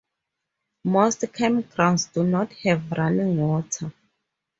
Most campgrounds do not have running water.